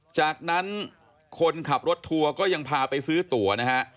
จากนั้นคนขับรถทัวร์ก็ยังพาไปซื้อตั๋วนะฮะ